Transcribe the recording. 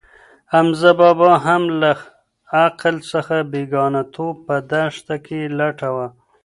حمزه بابا هم له عقل څخه بېګانه توب په دښته کې لټاوه.